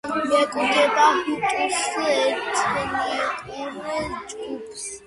მიეკუთვნება ჰუტუს ეთნიკურ ჯგუფს.